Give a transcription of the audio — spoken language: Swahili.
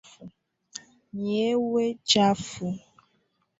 Nyewe chafu